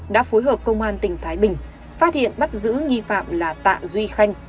đã phối hợp công an tỉnh thái bình phát hiện bắt giữ nghi phạm là tạ duy khanh